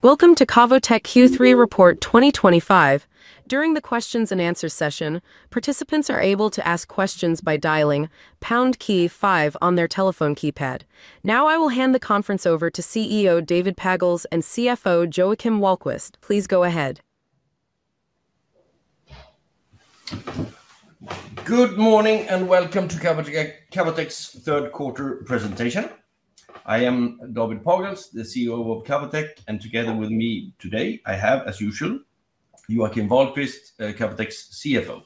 Welcome to Cavotec Q3 Report 2025. During the Q&A session, participants are able to ask questions by dialing # on their telephone keypad. Now, I will hand the conference over to CEO David Pagels and CFO Joakim Wahlquist. Please go ahead. Good morning and welcome to Cavotec's Q3 presentation. I am David Pagels, the CEO of Cavotec, and together with me today, I have, as usual, Joakim Wahlquist, Cavotec's CFO.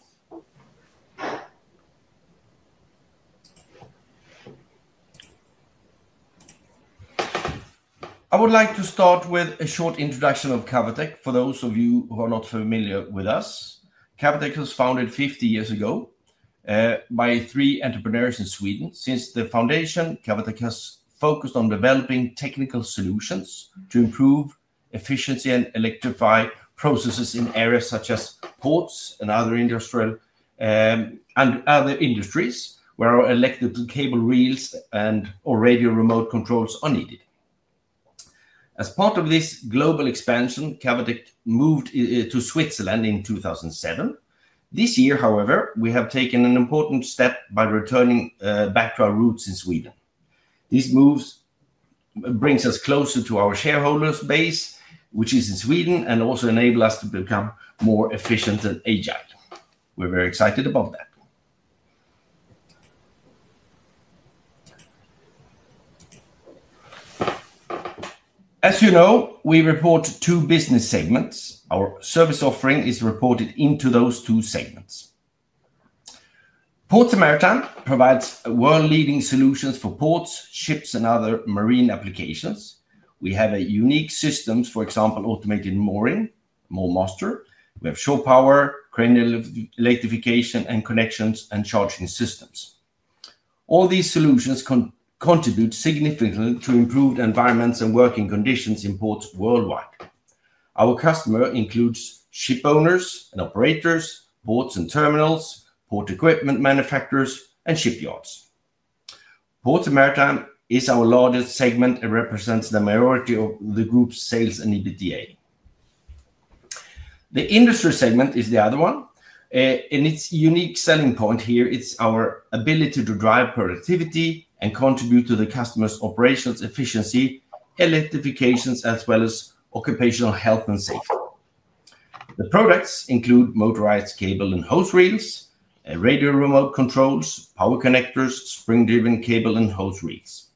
I would like to start with a short introduction of Cavotec for those of you who are not familiar with us. Cavotec was founded 50 years ago by three entrepreneurs in Sweden. Since the foundation, Cavotec has focused on developing technical solutions to improve efficiency and electrify processes in areas such as ports and other industries where electrical cable reels and/or radio remote controls are needed. As part of this global expansion, Cavotec moved to Switzerland in 2007. This year, however, we have taken an important step by returning back to our roots in Sweden. This move brings us closer to our shareholders' base, which is in Sweden, and also enables us to become more efficient and agile. We're very excited about that. As you know, we report two business segments. Our service offering is reported into those two segments. Ports and Maritime provides world-leading solutions for ports, ships, and other marine applications. We have unique systems, for example, automated mooring, MoorMaster. We have shore power, crane electrification, and connections and charging systems. All these solutions contribute significantly to improved environments and working conditions in ports worldwide. Our customer includes ship owners and operators, ports and terminals, port equipment manufacturers, and shipyards. Ports and Maritime is our largest segment and represents the majority of the group's sales in EBITDA. The industry segment is the other one. In its unique selling point here, it's our ability to drive productivity and contribute to the customer's operational efficiency, electrification, as well as occupational health and safety. The products include motorized cable and hose reels, radio remote controls, power connectors, spring-driven cable and hose reels.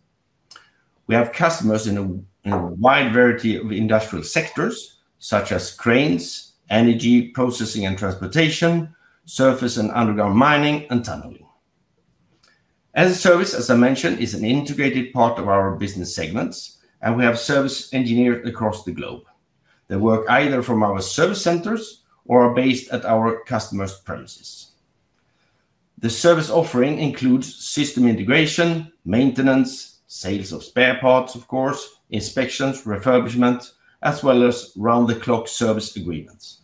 We have customers in a wide variety of industrial sectors, such as cranes, energy processing and transportation, surface and underground mining, and tunneling. As a service, as I mentioned, it's an integrated part of our business segments, and we have service engineers across the globe that work either from our service centers or are based at our customers' premises. The service offering includes system integration, maintenance, sales of spare parts, of course, inspections, refurbishment, as well as round-the-clock service agreements.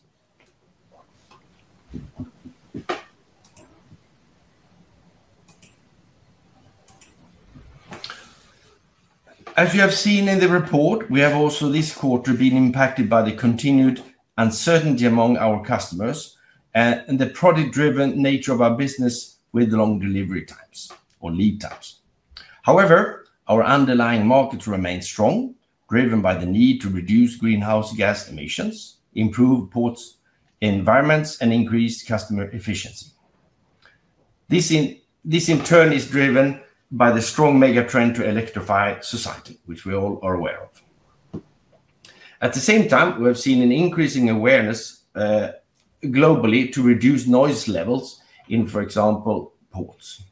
As you have seen in the report, we have also this quarter been impacted by the continued uncertainty among our customers and the product-driven nature of our business with long delivery times or lead times. However, our underlying market remains strong, driven by the need to reduce greenhouse gas emissions, improve ports' environments, and increase customer efficiency. This, in turn, is driven by the strong megatrend to electrify society, which we all are aware of. At the same time, we have seen an increasing awareness globally to reduce noise levels in, for example, ports.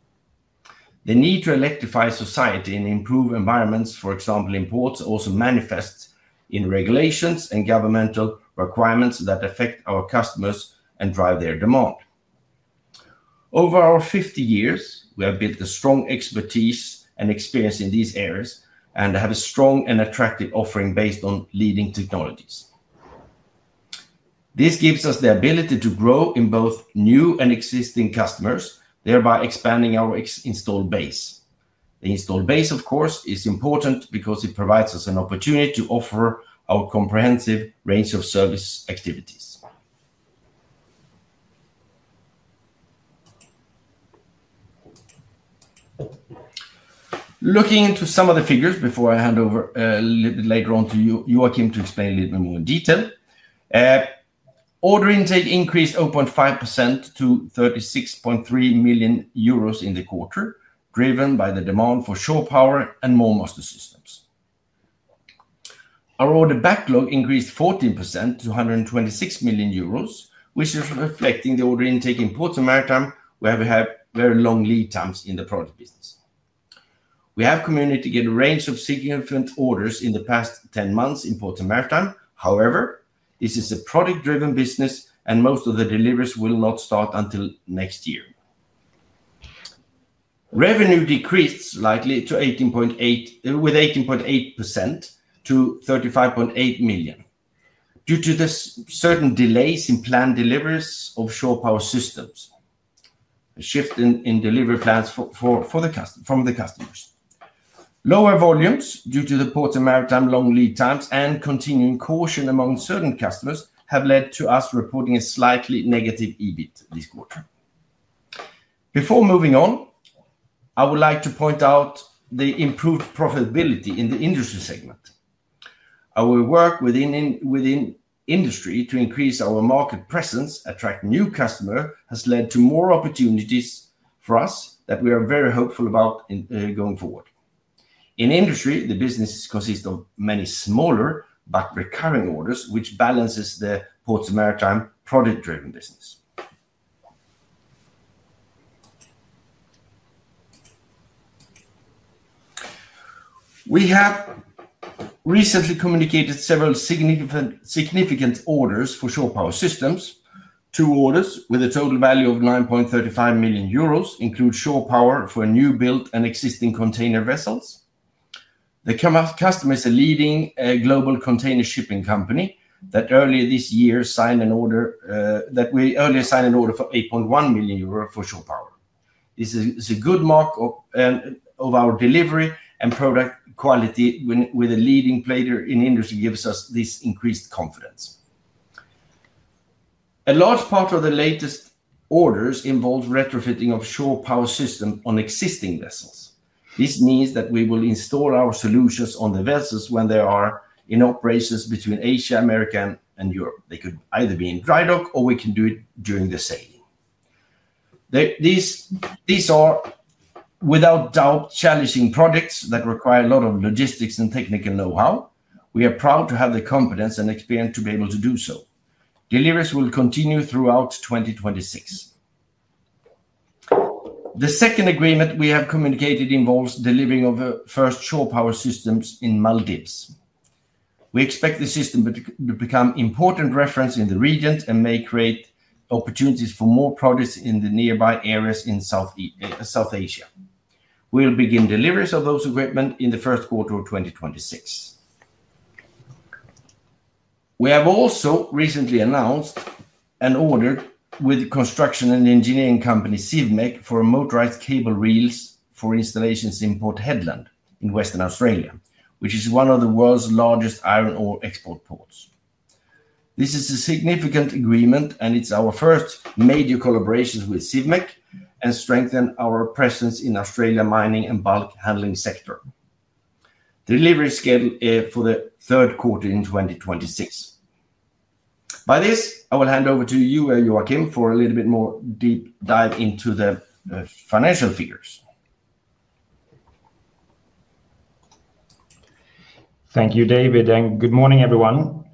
The need to electrify society and improve environments, for example, in ports, also manifests in regulations and governmental requirements that affect our customers and drive their demand. Over our 50 years, we have built a strong expertise and experience in these areas and have a strong and attractive offering based on leading technologies. This gives us the ability to grow in both new and existing customers, thereby expanding our installed base. The installed base, of course, is important because it provides us an opportunity to offer our comprehensive range of service activities. Looking into some of the figures before I hand over a little bit later on to Joakim to explain a little bit more in detail, order intake increased 0.5% to 36.3 million euros in the quarter, driven by the demand for shore power and MoorMaster systems. Our order backlog increased 14% to 126 million euros, which is reflecting the order intake in Ports and Maritime, where we have very long lead times in the product business. We have continued to get a range of significant orders in the past 10 months in Ports and Maritime. However, this is a product-driven business, and most of the deliveries will not start until next year. Revenue decreased slightly with 18.8% to 35.8 million due to certain delays in planned deliveries of shore power systems, a shift in delivery plans from the customers. Lower volumes due to the Ports and Maritime long lead times and continuing caution among certain customers have led to us reporting a slightly negative EBIT this quarter. Before moving on, I would like to point out the improved profitability in the industry segment. Our work within industry to increase our market presence, attract new customers, has led to more opportunities for us that we are very hopeful about going forward. In industry, the business consists of many smaller but recurring orders, which balances the Ports and Maritime product-driven business. We have recently communicated several significant orders for shore power systems. Two orders with a total value of 9.35 million euros include shore power for new-built and existing container vessels. The customer is a leading global container shipping company that earlier this year signed an order for 8.1 million euro for shore power. This is a good mark of our delivery and product quality with a leading player in industry gives us this increased confidence. A large part of the latest orders involves retrofitting of shore power systems on existing vessels. This means that we will install our solutions on the vessels when they are in operations between Asia, America, and Europe. They could either be in dry dock, or we can do it during the sailing. These are, without doubt, challenging projects that require a lot of logistics and technical know-how. We are proud to have the confidence and experience to be able to do so. Deliveries will continue throughout 2026. The second agreement we have communicated involves delivering of first shore power systems in Maldives. We expect the system to become an important reference in the region and may create opportunities for more products in the nearby areas in South Asia. We will begin deliveries of those equipment in the first quarter of 2026. We have also recently announced an order with construction and engineering company Civmec for motorized cable reels for installations in Port Hedland in Western Australia, which is one of the world's largest iron ore export ports. This is a significant agreement, and it's our first major collaboration with Civmec and strengthens our presence in Australia's mining and bulk handling sector. The delivery is scheduled for the third quarter in 2026. By this, I will hand over to you, Joakim, for a little bit more deep dive into the financial figures. Thank you, David, and good morning, everyone.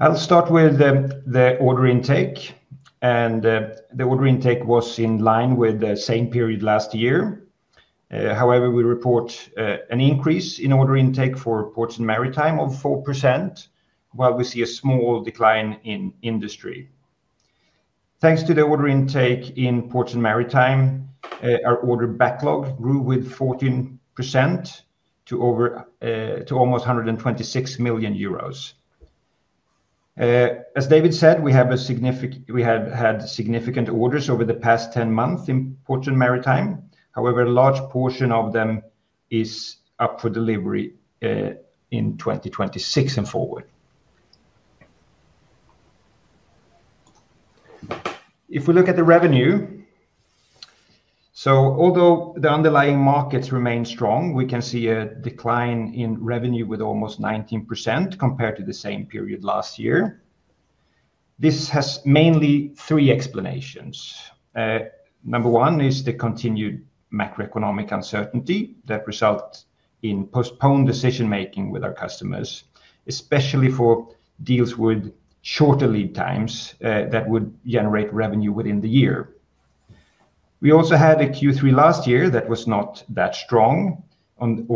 I'll start with the order intake. The order intake was in line with the same period last year. However, we report an increase in order intake for Ports and Maritime of 4%, while we see a small decline in industry. Thanks to the order intake in Ports and Maritime, our order backlog grew with 14% to almost 126 million euros. As David said, we have had significant orders over the past 10 months in Ports and Maritime. However, a large portion of them is up for delivery in 2026 and forward. If we look at the revenue, although the underlying markets remain strong, we can see a decline in revenue with almost 19% compared to the same period last year. This has mainly three explanations. Number one is the continued macroeconomic uncertainty that results in postponed decision-making with our customers, especially for deals with shorter lead times that would generate revenue within the year. We also had a Q3 last year that was not that strong on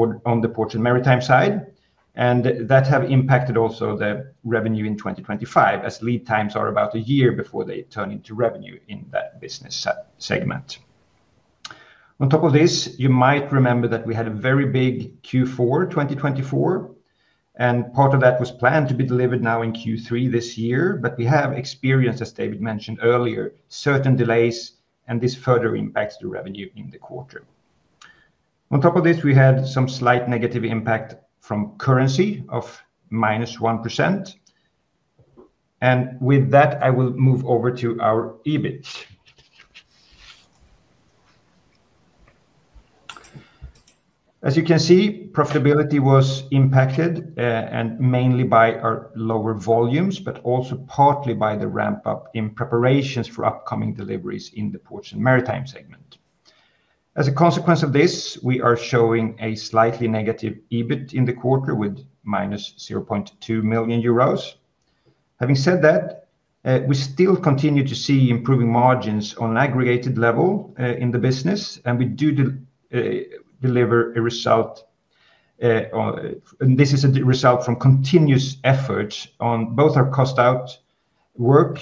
the Ports and Maritime side, and that has impacted also the revenue in 2025, as lead times are about a year before they turn into revenue in that business segment. On top of this, you might remember that we had a very big Q4 2024, and part of that was planned to be delivered now in Q3 this year, but we have experienced, as David mentioned earlier, certain delays, and this further impacts the revenue in the quarter. On top of this, we had some slight negative impact from currency of -1%. With that, I will move over to our EBIT. As you can see, profitability was impacted, mainly by our lower volumes, but also partly by the ramp-up in preparations for upcoming deliveries in the Ports and Maritime segment. As a consequence of this, we are showing a slightly negative EBIT in the quarter with -0.2 million euros. Having said that, we still continue to see improving margins on an aggregated level in the business, and we do deliver a result. This is a result from continuous efforts on both our cost-out work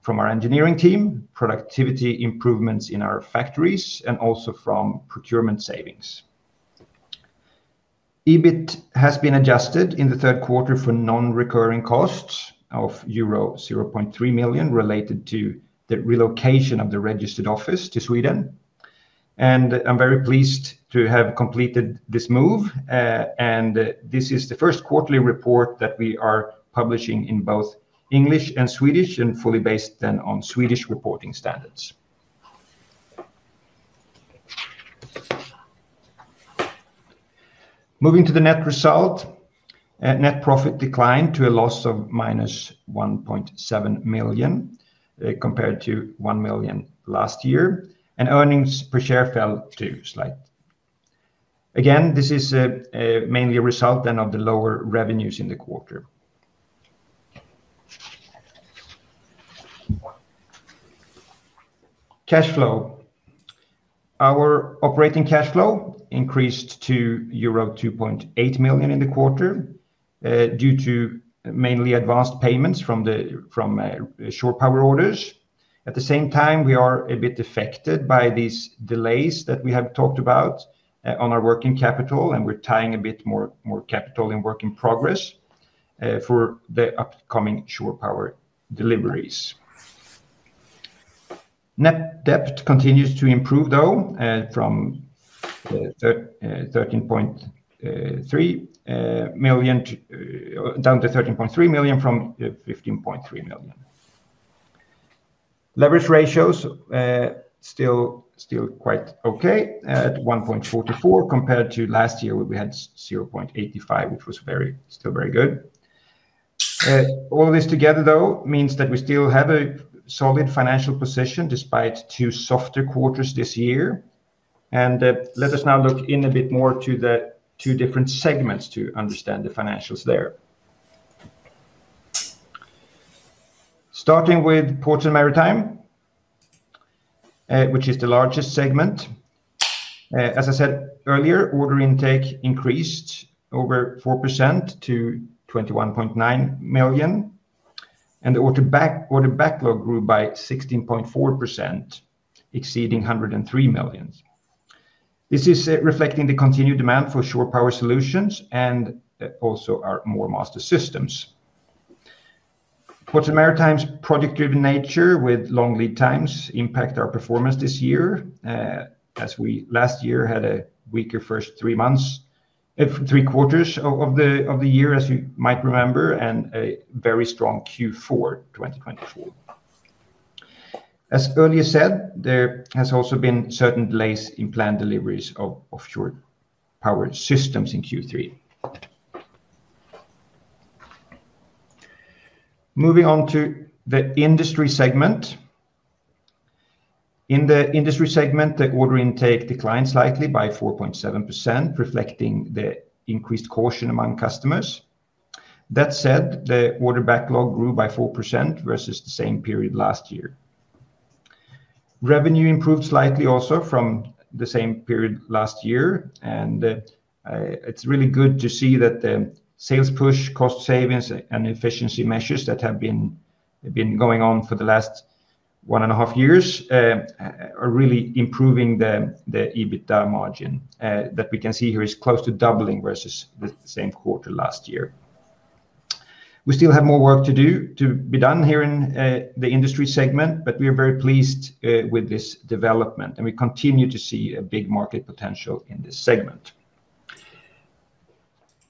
from our engineering team, productivity improvements in our factories, and also from procurement savings. EBIT has been adjusted in the third quarter for non-recurring costs of euro 0.3 million related to the relocation of the registered office to Sweden. I'm very pleased to have completed this move, and this is the first quarterly report that we are publishing in both English and Swedish, and fully based then on Swedish reporting standards. Moving to the net result, net profit declined to a loss of 1.7 million compared to 1 million last year, and earnings per share fell too slightly. Again, this is mainly a result then of the lower revenues in the quarter. Cash flow, our operating cash flow increased to euro 2.8 million in the quarter due to mainly advanced payments from shore power orders. At the same time, we are a bit affected by these delays that we have talked about on our working capital, and we're tying a bit more capital in work in progress for the upcoming shore power deliveries. Net debt continues to improve, though, from 15.3 million down to 13.3 million. Leverage ratios still quite okay at 1.44 compared to last year, where we had 0.85, which was still very good. All this together, though, means that we still have a solid financial position despite two softer quarters this year. Let us now look in a bit more to the two different segments to understand the financials there. Starting with Ports and Maritime, which is the largest segment. As I said earlier, order intake increased over 4% to 21.9 million, and the order backlog grew by 16.4%, exceeding 103 million. This is reflecting the continued demand for shore power solutions and also our MoorMaster systems. Ports and Maritime's project-driven nature with long lead times impact our performance this year, as we last year had a weaker first three quarters of the year, as you might remember, and a very strong Q4 2024. As earlier said, there has also been certain delays in planned deliveries of shore power systems in Q3. Moving on to the industry segment. In the industry segment, the order intake declined slightly by 4.7%, reflecting the increased caution among customers. That said, the order backlog grew by 4% versus the same period last year. Revenue improved slightly also from the same period last year, and it's really good to see that the sales push, cost savings, and efficiency measures that have been going on for the last one and a half years are really improving the EBITDA margin. That we can see here is close to doubling versus the same quarter last year. We still have more work to be done here in the industry segment, but we are very pleased with this development, and we continue to see a big market potential in this segment.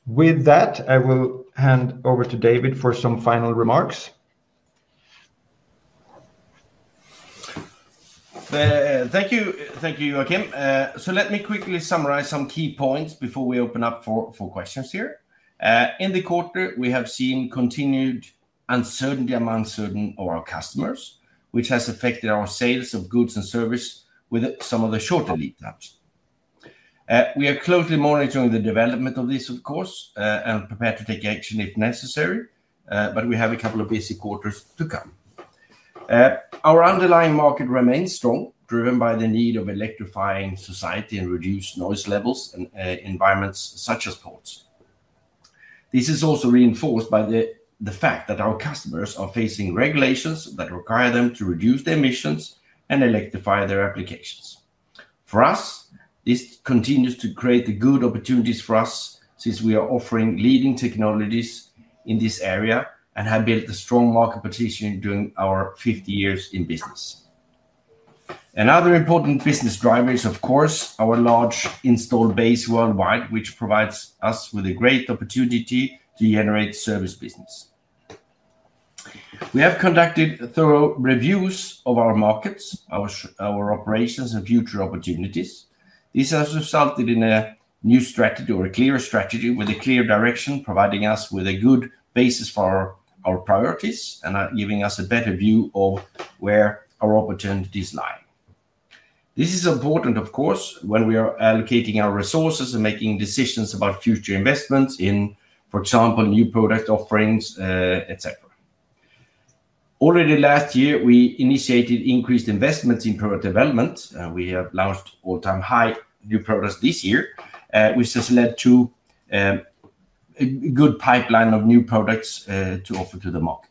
With that, I will hand over to David for some final remarks. Thank you, Joakim. Let me quickly summarize some key points before we open up for questions here. In the quarter, we have seen continued uncertainty among certain of our customers, which has affected our sales of goods and services with some of the shorter lead times. We are closely monitoring the development of this, of course, and prepared to take action if necessary, but we have a couple of busy quarters to come. Our underlying market remains strong, driven by the need of electrifying society and reduced noise levels in environments such as ports. This is also reinforced by the fact that our customers are facing regulations that require them to reduce their emissions and electrify their applications. For us, this continues to create good opportunities for us since we are offering leading technologies in this area and have built a strong market position during our 50 years in business. Another important business driver is, of course, our large installed base worldwide, which provides us with a great opportunity to generate service business. We have conducted thorough reviews of our markets, our operations, and future opportunities. This has resulted in a new strategy or a clear strategy with a clear direction, providing us with a good basis for our priorities and giving us a better view of where our opportunities lie. This is important, of course, when we are allocating our resources and making decisions about future investments in, for example, new product offerings, etc. Already last year, we initiated increased investments in product development. We have launched all-time high new products this year, which has led to a good pipeline of new products to offer to the market.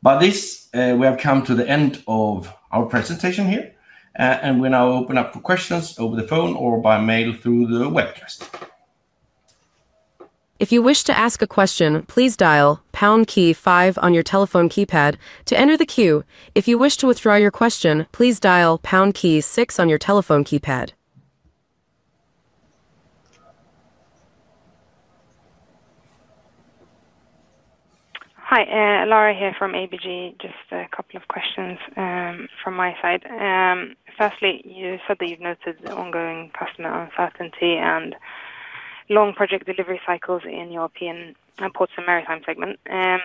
By this, we have come to the end of our presentation here, and we now open up for questions over the phone or by mail through the webcast. If you wish to ask a question, please dial pound key five on your telephone keypad to enter the queue. If you wish to withdraw your question, please dial pound key six on your telephone keypad. Hi, Laura here from ABG. Just a couple of questions from my side. Firstly, you said that you've noticed ongoing customer uncertainty and long project delivery cycles in the European Ports and Maritime segment.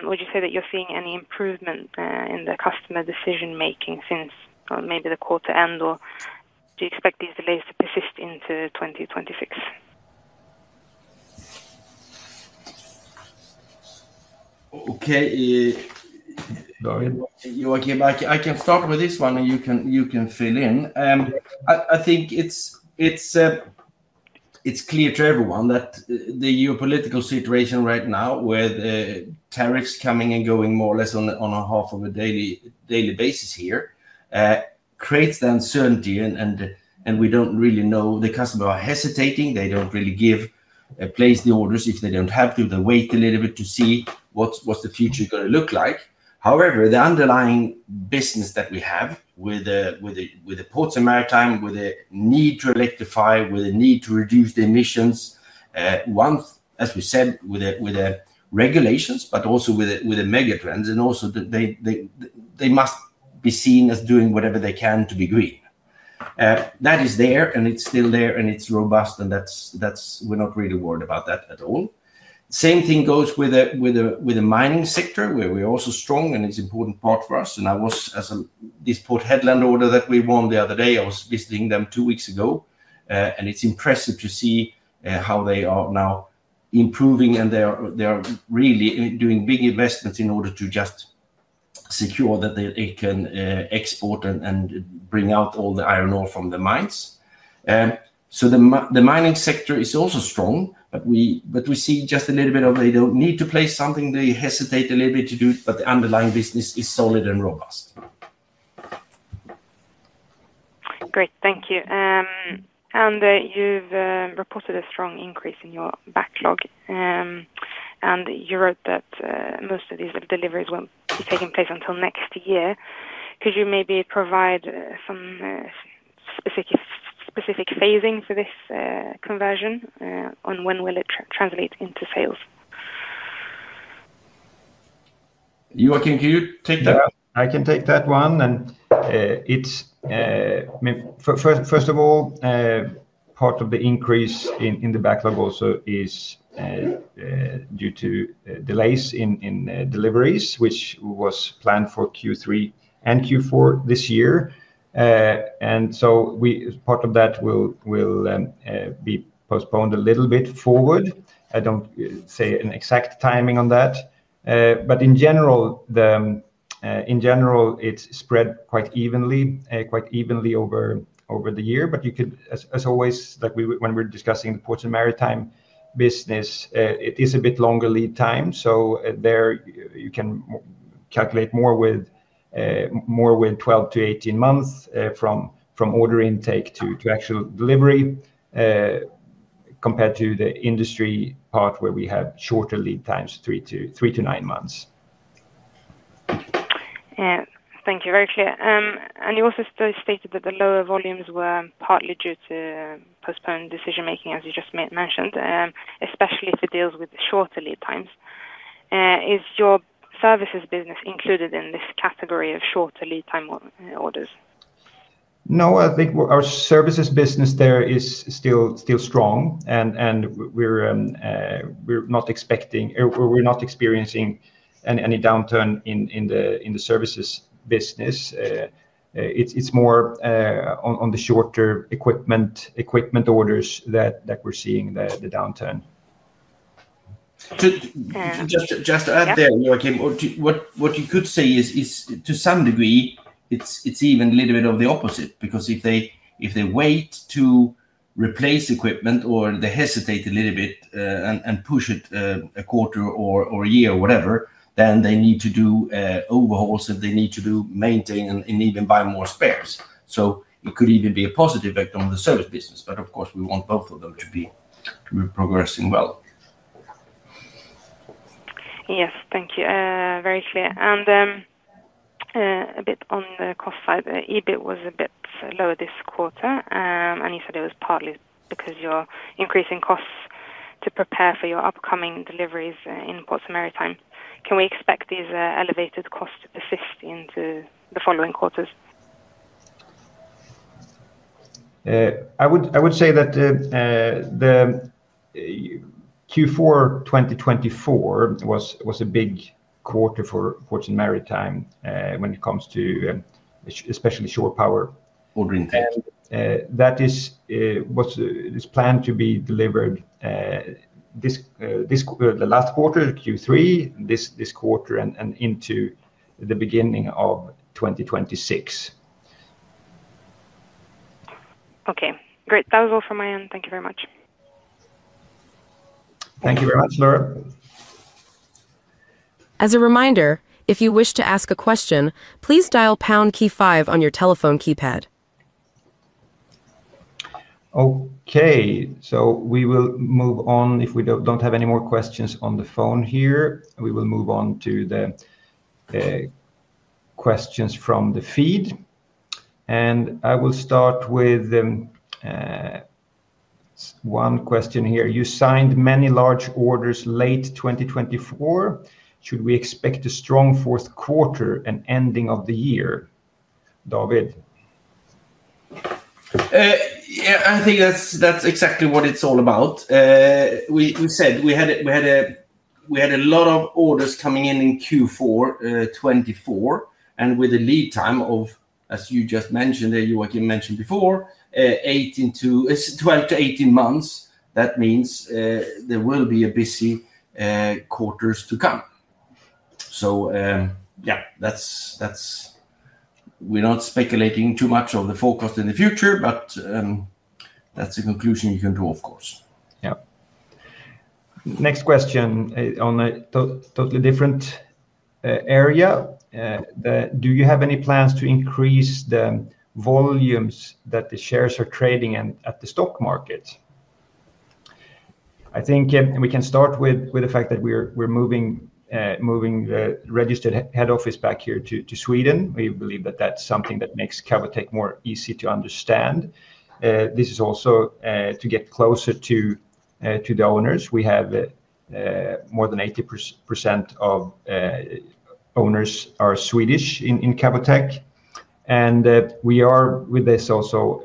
Would you say that you're seeing any improvement in the customer decision-making since maybe the quarter end, or do you expect these delays to persist into 2026? Okay. Sorry. Joakim, I can start with this one, and you can fill in. I think it's clear to everyone that the geopolitical situation right now, with tariffs coming and going more or less on a half of a daily basis here, creates the uncertainty, and we don't really know the customers are hesitating. They don't really place the orders if they don't have to. They wait a little bit to see what's the future going to look like. However, the underlying business that we have with the Ports and Maritime, with the need to electrify, with the need to reduce the emissions, once, as we said, with the regulations, but also with the megatrends, and also they must be seen as doing whatever they can to be green. That is there, and it's still there, and it's robust, and we're not really worried about that at all. Same thing goes with the mining sector, where we're also strong, and it's an important part for us. As this Port Hedland order that we won the other day, I was visiting them two weeks ago, and it's impressive to see how they are now improving, and they are really doing big investments in order to just secure that they can export and bring out all the iron ore from the mines. The mining sector is also strong, but we see just a little bit of they don't need to place something. They hesitate a little bit to do it, but the underlying business is solid and robust. Great. Thank you. You have reported a strong increase in your backlog, and you wrote that most of these deliveries will not be taking place until next year. Could you maybe provide some specific phasing for this conversion on when will it translate into sales? Joakim, can you take that? I can take that one. First of all, part of the increase in the backlog also is due to delays in deliveries, which was planned for Q3 and Q4 this year. Part of that will be postponed a little bit forward. I do not say an exact timing on that, but in general, it is spread quite evenly over the year. As always, when we are discussing the Ports and Maritime business, it is a bit longer lead time, so there you can calculate more with 12-18 months from order intake to actual delivery compared to the industry part where we have shorter lead times, three to nine months. Thank you, very clear. You also stated that the lower volumes were partly due to postponed decision-making, as you just mentioned, especially if it deals with shorter lead times. Is your services business included in this category of shorter lead time orders? No, I think our services business there is still strong, and we're not experiencing any downturn in the services business. It's more on the shorter equipment orders that we're seeing the downturn. Just to add there, Joakim, what you could say is, to some degree, it's even a little bit of the opposite, because if they wait to replace equipment or they hesitate a little bit and push it a quarter or a year or whatever, then they need to do overhauls, and they need to maintain and even buy more spares. It could even be a positive effect on the service business, but of course, we want both of them to be progressing well. Yes, thank you. Very clear. A bit on the cost side, EBIT was a bit lower this quarter, and you said it was partly because you're increasing costs to prepare for your upcoming deliveries in Ports and Maritime. Can we expect these elevated costs to persist into the following quarters? I would say that Q4 2024 was a big quarter for Ports and Maritime when it comes to especially shore power. Order intake. That is planned to be delivered the last quarter, Q3, this quarter, and into the beginning of 2026. Okay. Great. That was all from my end. Thank you very much. Thank you very much, Laura. As a reminder, if you wish to ask a question, please dial pound key five on your telephone keypad. Okay. We will move on. If we do not have any more questions on the phone here, we will move on to the questions from the feed. I will start with one question here. You signed many large orders late 2024. Should we expect a strong fourth quarter and ending of the year? David? Yeah, I think that is exactly what it is all about. We said we had a lot of orders coming in in Q4 2024, and with a lead time of, as you just mentioned, Joakim mentioned before, 12-18 months, that means there will be busy quarters to come. Yeah, we are not speculating too much on the forecast in the future, but that is a conclusion you can draw, of course. Yeah. Next question on a totally different area. Do you have any plans to increase the volumes that the shares are trading at the stock market? I think we can start with the fact that we're moving the registered head office back here to Sweden. We believe that that's something that makes Cavotec more easy to understand. This is also to get closer to the owners. We have more than 80% of owners are Swedish in Cavotec, and we are with this also,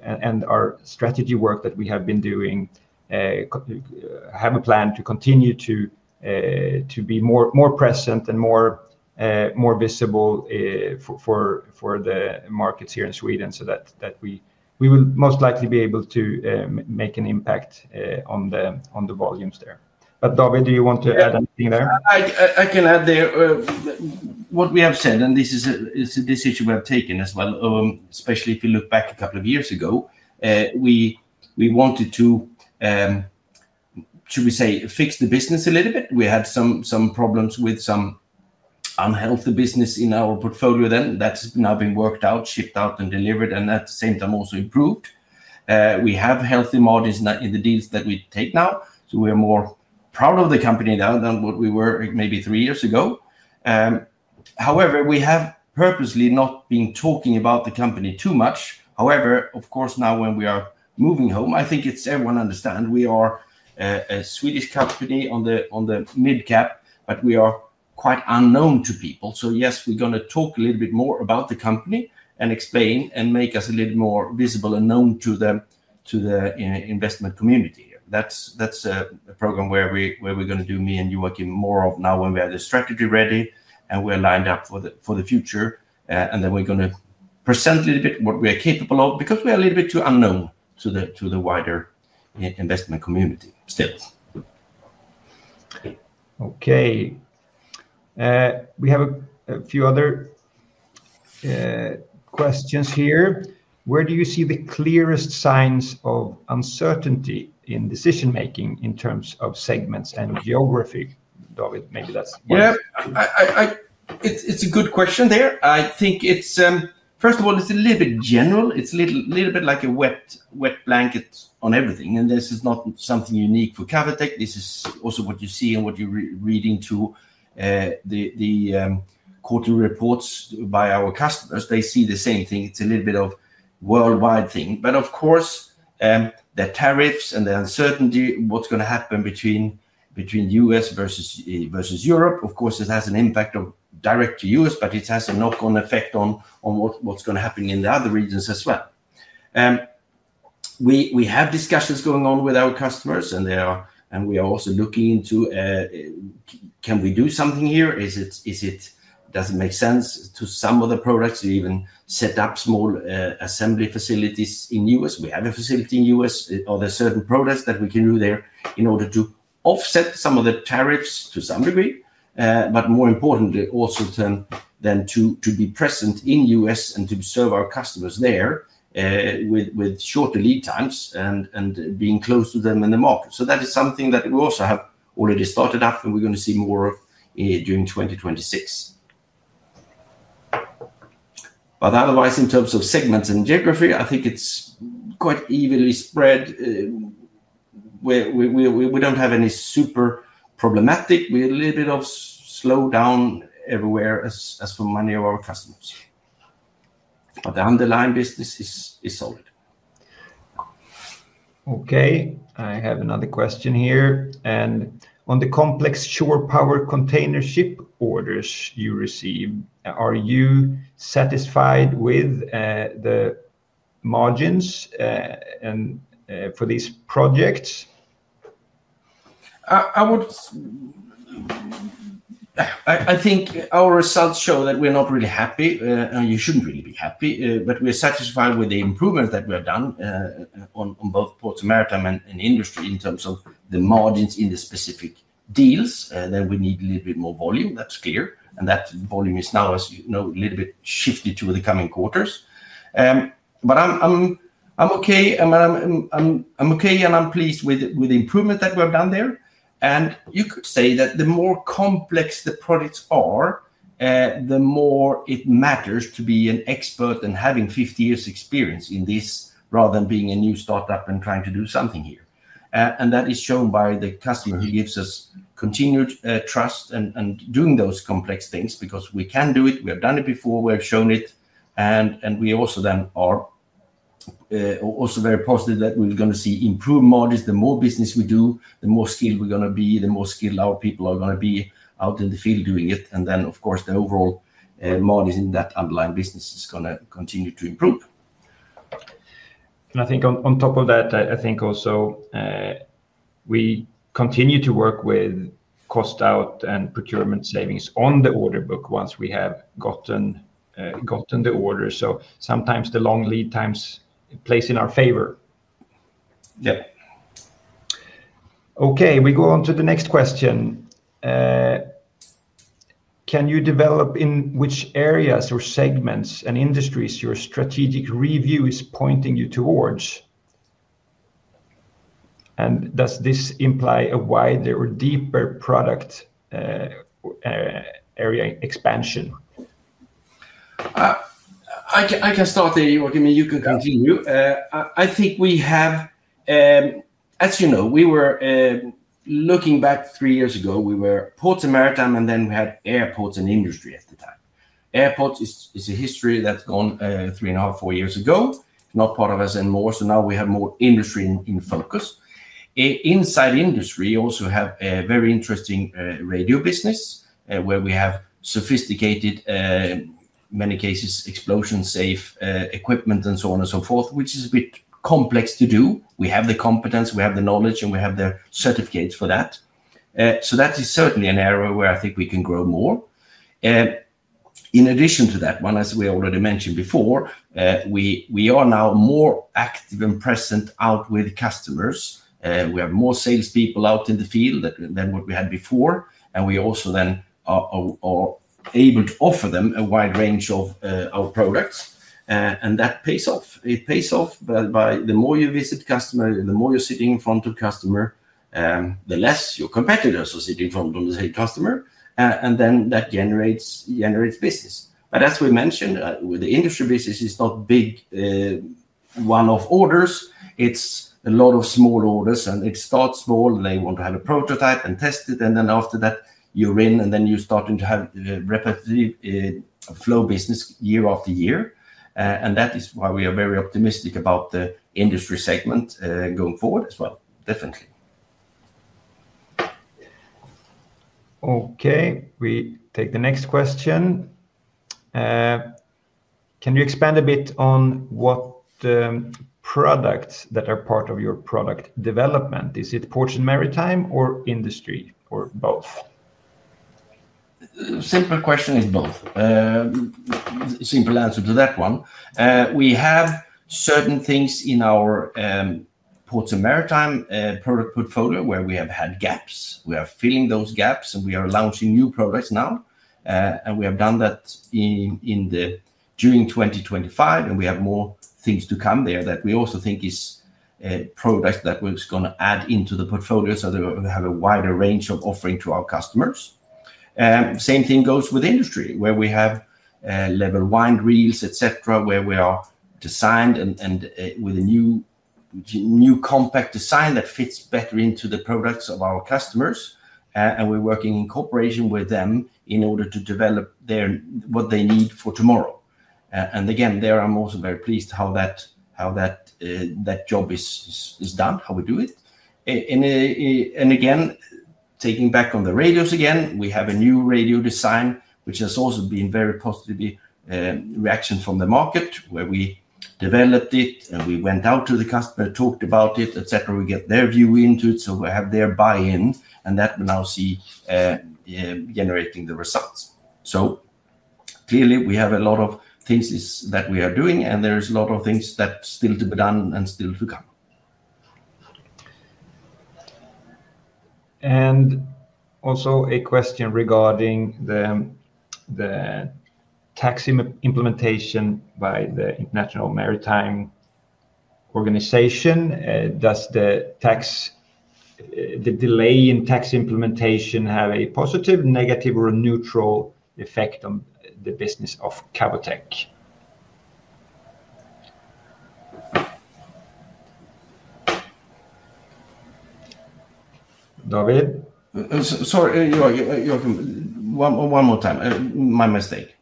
and our strategy work that we have been doing have a plan to continue to be more present and more visible for the markets here in Sweden so that we will most likely be able to make an impact on the volumes there. But David, do you want to add anything there? I can add there what we have said, and this is a decision we have taken as well, especially if you look back a couple of years ago. We wanted to, should we say, fix the business a little bit. We had some problems with some unhealthy business in our portfolio then. That's now been worked out, shipped out, and delivered, and at the same time, also improved. We have healthy margins in the deals that we take now, so we are more proud of the company now than what we were maybe three years ago. However, we have purposely not been talking about the company too much. However, of course, now when we are moving home, I think everyone understands we are a Swedish company on the mid-cap, but we are quite unknown to people. Yes, we're going to talk a little bit more about the company and explain and make us a little more visible and known to the investment community. That's a program we're going to do, me and Joakim, more of now when we have the strategy ready and we're lined up for the future, and we're going to present a little bit what we are capable of because we are a little bit too unknown to the wider investment community still. Okay. We have a few other questions here. Where do you see the clearest signs of uncertainty in decision-making in terms of segments and geography? David, maybe that's one. Yeah, it's a good question there. I think, first of all, it's a little bit general. It's a little bit like a wet blanket on everything, and this is not something unique for Cavotec. This is also what you see and what you're reading in the quarterly reports by our customers. They see the same thing. It's a little bit of a worldwide thing. Of course, the tariffs and the uncertainty, what's going to happen between the U.S. versus Europe, of course, it has an impact direct to the U.S., but it has a knock-on effect on what's going to happen in the other regions as well. We have discussions going on with our customers, and we are also looking into, can we do something here? Does it make sense for some of the products to even set up small assembly facilities in the U.S.? We have a facility in the U.S. Are there certain products that we can do there in order to offset some of the tariffs to some degree? More importantly, also then to be present in the U.S. and to serve our customers there with shorter lead times and being close to them in the market. That is something that we also have already started up, and we're going to see more of during 2026. Otherwise, in terms of segments and geography, I think it's quite evenly spread. We don't have any super problematic. We're a little bit of slowdown everywhere as for many of our customers. The underlying business is solid. Okay. I have another question here. On the complex shore power container ship orders you receive, are you satisfied with the margins for these projects? I think our results show that we're not really happy, and you shouldn't really be happy, but we're satisfied with the improvements that we have done on both Ports and Maritime and industry in terms of the margins in the specific deals. We need a little bit more volume. That's clear. That volume is now, as you know, a little bit shifted to the coming quarters. I'm okay, and I'm pleased with the improvement that we have done there. You could say that the more complex the products are, the more it matters to be an expert and having 50 years' experience in this rather than being a new startup and trying to do something here. That is shown by the customer who gives us continued trust and doing those complex things because we can do it. We have done it before. We have shown it. We also then are also very positive that we're going to see improved margins. The more business we do, the more skilled we're going to be, the more skilled our people are going to be out in the field doing it. Of course, the overall margins in that underlying business are going to continue to improve. I think on top of that, I think also we continue to work with cost out and procurement savings on the order book once we have gotten the order. Sometimes the long lead times play in our favor. Yeah. Okay. We go on to the next question. Can you develop in which areas or segments and industries your strategic review is pointing you towards? Does this imply a wider or deeper product area expansion? I can start there, Joakim. You can continue. I think we have, as you know, we were looking back three years ago. We were Ports and Maritime, and then we had airports and industry at the time. Airports is a history that's gone three and a half, four years ago, not part of us anymore. Now we have more industry in focus. Inside industry, we also have a very interesting radio business where we have sophisticated, in many cases, explosion-safe equipment and so on and so forth, which is a bit complex to do. We have the competence, we have the knowledge, and we have the certificates for that. That is certainly an area where I think we can grow more. In addition to that, as we already mentioned before, we are now more active and present out with customers. We have more salespeople out in the field than what we had before. We also then are able to offer them a wide range of products. That pays off. It pays off by the more you visit customers, the more you're sitting in front of customers, the less your competitors are sitting in front of the same customer. That generates business. As we mentioned, the industry business is not big one of orders. It's a lot of small orders, and it starts small, and they want to have a prototype and test it. After that, you're in, and then you're starting to have a repetitive flow business year after year. That is why we are very optimistic about the industry segment going forward as well. Definitely. Okay. We take the next question. Can you expand a bit on what products that are part of your product development? Is it Ports and Maritime or industry or both? Simple question is both. Simple answer to that one. We have certain things in our Ports and Maritime product portfolio where we have had gaps. We are filling those gaps, and we are launching new products now. We have done that during 2025, and we have more things to come there that we also think is products that we're going to add into the portfolio so that we have a wider range of offering to our customers. Same thing goes with industry where we have level wind reels, etc., where we are designed with a new compact design that fits better into the products of our customers. We are working in cooperation with them in order to develop what they need for tomorrow. I am also very pleased how that job is done, how we do it. Again, taking back on the radios, we have a new radio design, which has also been a very positive reaction from the market where we developed it, and we went out to the customer, talked about it, etc. We get their view into it, so we have their buy-in, and that will now see generating the results. Clearly, we have a lot of things that we are doing, and there are a lot of things that are still to be done and still to come. A question regarding the tax implementation by the International Maritime Organization. Does the delay in tax implementation have a positive, negative, or neutral effect on the business of Cavotec? David? Sorry, Joakim. One more time. My mistake.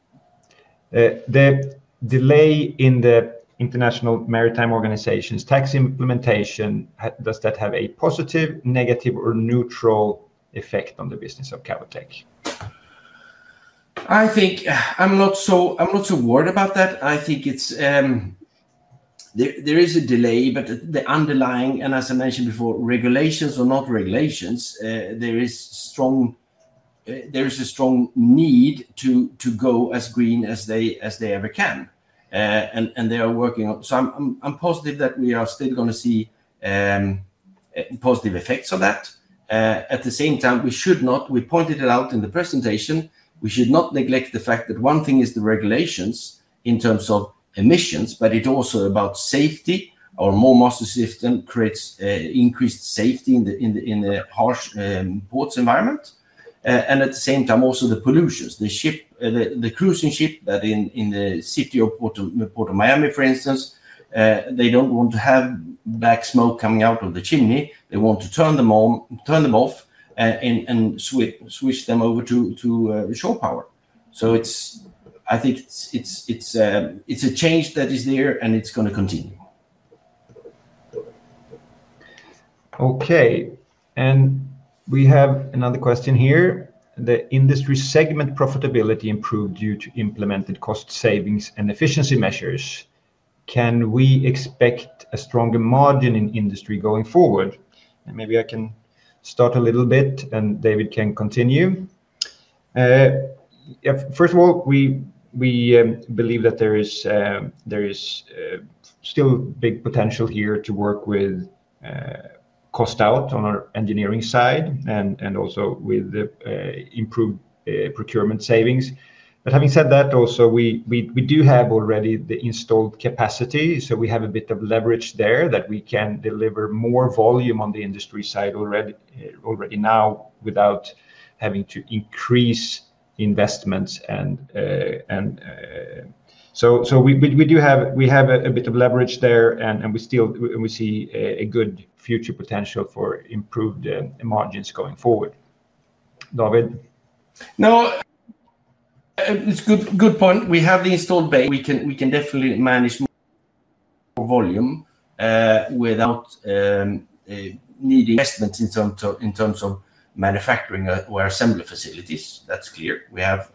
The delay in the International Maritime Organization's tax implementation, does that have a positive, negative, or neutral effect on the business of Cavotec? I think I'm not so worried about that. I think there is a delay, but the underlying, and as I mentioned before, regulations or not regulations, there is a strong need to go as green as they ever can. They are working on it. I am positive that we are still going to see positive effects of that. At the same time, we should not, we pointed it out in the presentation, we should not neglect the fact that one thing is the regulations in terms of emissions, but it is also about safety. Our MoorMaster system creates increased safety in the harsh ports environment. At the same time, also the pollutions. The cruising ship that in the city of Port of Miami, for instance, they do not want to have black smoke coming out of the chimney. They want to turn them off and switch them over to shore power. I think it's a change that is there, and it's going to continue. Okay. We have another question here. The industry segment profitability improved due to implemented cost savings and efficiency measures. Can we expect a stronger margin in industry going forward? Maybe I can start a little bit, and David can continue. First of all, we believe that there is still big potential here to work with cost out on our engineering side and also with improved procurement savings. Having said that, we do have already the installed capacity, so we have a bit of leverage there that we can deliver more volume on the industry side already now without having to increase investments. We do have a bit of leverage there, and we see a good future potential for improved margins going forward. David? No. It's a good point. We have the installed. We can definitely manage more volume without needing investments in terms of manufacturing or assembly facilities. That's clear. We have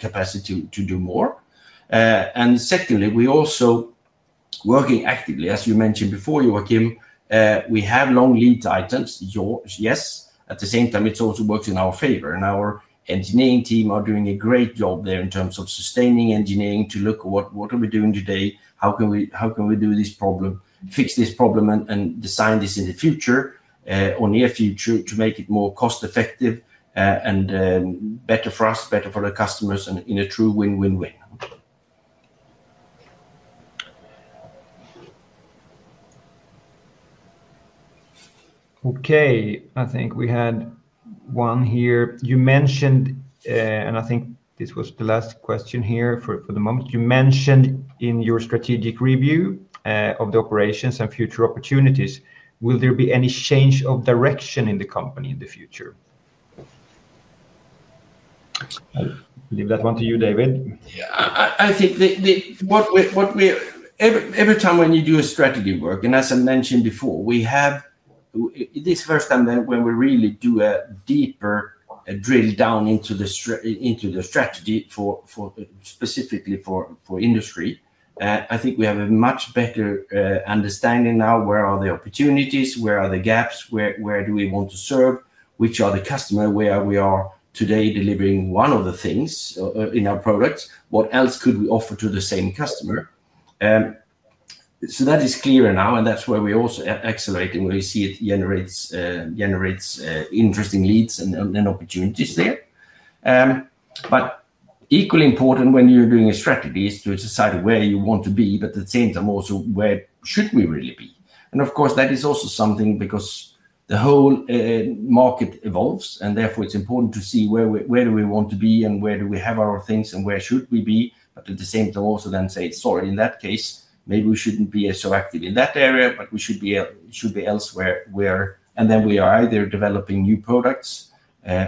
capacity to do more. Secondly, we're also working actively, as you mentioned before, Joakim, we have long lead times, yes. At the same time, it also works in our favor. Our engineering team are doing a great job there in terms of sustaining engineering to look at what are we doing today, how can we do this problem, fix this problem, and design this in the future or near future to make it more cost-effective and better for us, better for the customers, and in a true win-win-win. Okay. I think we had one here. You mentioned, and I think this was the last question here for the moment. You mentioned in your strategic review of the operations and future opportunities, will there be any change of direction in the company in the future? I'll leave that one to you, David. Yeah. I think every time when you do a strategy work, and as I mentioned before, this is the first time when we really do a deeper drill down into the strategy specifically for industry, I think we have a much better understanding now. Where are the opportunities? Where are the gaps? Where do we want to serve? Which are the customers? Where we are today delivering one of the things in our products? What else could we offer to the same customer? That is clearer now, and that's where we're also accelerating. We see it generates interesting leads and opportunities there. Equally important when you're doing a strategy is to decide where you want to be, but at the same time also where should we really be? Of course, that is also something because the whole market evolves, and therefore it's important to see where do we want to be and where do we have our things and where should we be. At the same time also then say, "Sorry, in that case, maybe we shouldn't be so active in that area, but we should be elsewhere." We are either developing new products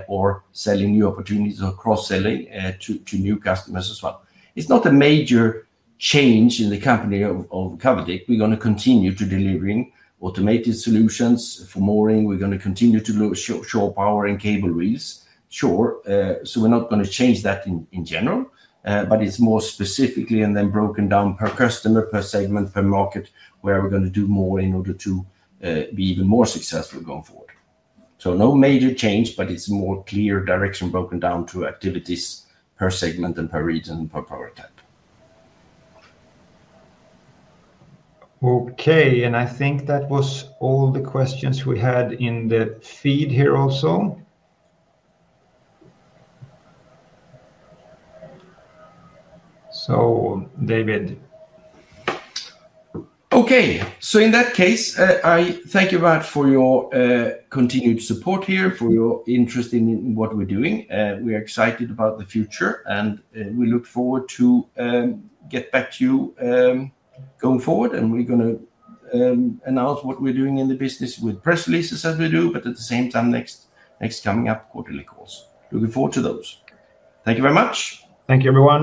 or selling new opportunities or cross-selling to new customers as well. It's not a major change in the company of Cavotec. We're going to continue to deliver automated solutions for mooring. We're going to continue to do shore power and cable reels. Sure. We're not going to change that in general, but it's more specifically and then broken down per customer, per segment, per market where we're going to do more in order to be even more successful going forward. No major change, but it's a more clear direction broken down to activities per segment and per region and per product type. Okay. I think that was all the questions we had in the feed here also. David? Okay. In that case, I thank you very much for your continued support here, for your interest in what we're doing. We are excited about the future, and we look forward to getting back to you going forward. We're going to announce what we're doing in the business with press releases as we do, but at the same time, next coming up quarterly calls. Looking forward to those. Thank you very much. Thank you, everyone.